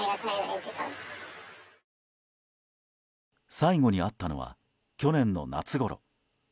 最後に会ったのは去年の夏ごろ。